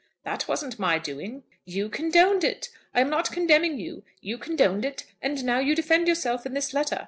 "That wasn't my doing." "You condoned it. I am not condemning you. You condoned it, and now you defend yourself in this letter.